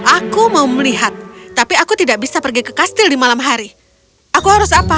aku mau melihat tapi aku tidak bisa pergi ke kastil di malam hari aku harus apa